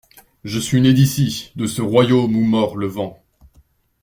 Je suis né d’ici, de ce royaume où mord le vent.